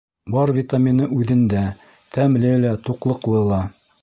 Бар витамины үҙендә, тәмле лә, туҡлыҡлы ла.